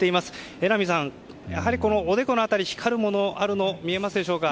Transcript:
榎並さん、おでこの辺り光るものがあるの見えますか。